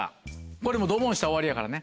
これもうドボンしたら終わりやからね。